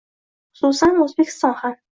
Xususan, O‘zbekiston ham.